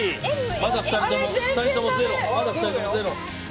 まだ２人ともゼロ。